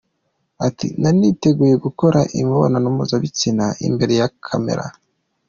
Ati “Nari niteguye gukora imibonano mpuzabitsina imbere ya cameras.